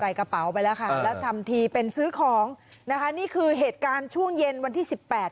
กระเป๋าไปแล้วค่ะแล้วทำทีเป็นซื้อของนะคะนี่คือเหตุการณ์ช่วงเย็นวันที่สิบแปด